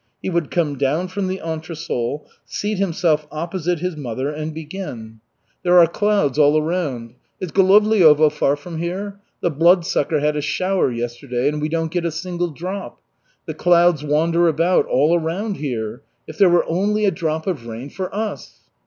He would come down from the entresol, seat himself opposite his mother and begin: "There are clouds all around. Is Golovliovo far from here? The Bloodsucker had a shower yesterday and we don't get a single drop. The clouds wander about, all around here. If there were only a drop of rain for us!"